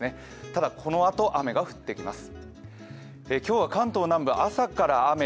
ただ、このあと雨が降ってきます。